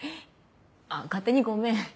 あっ勝手にごめん。